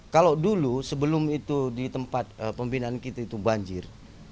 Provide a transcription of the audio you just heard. kalau dulu sebelum itu di tempat pembinaan kita itu banjir